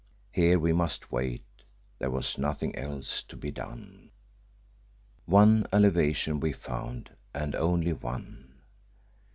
Here we must wait, there was nothing else to be done. One alleviation we found, and only one.